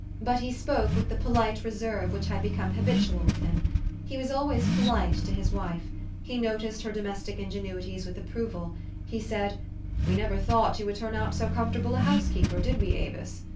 But he spoke with the polite reserve which had become habitual with him. He was always polite to his wife. He noticed her domestic ingenuities with approval. He said, 4 ' We never thought }'ou would turn out so com fortable a housekeeper, did we, Avis?'